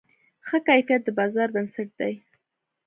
ښه کیفیت د بازار بنسټ دی.